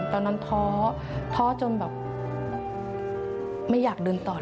ตอนนั้นท้อท้อจนแบบไม่อยากเดินต่อแล้ว